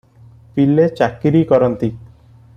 ପିଲେ ଚାକିରି କରନ୍ତି ।